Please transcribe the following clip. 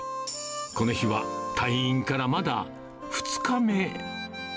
この日は退院からまだ２日目。